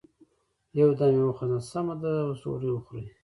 يو دم يې وخندل: سمه ده، اوس ډوډی وخورئ!